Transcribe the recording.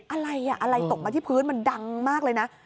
อะไรอ่ะอะไรตกมาที่พื้นมันดังมากเลยนะ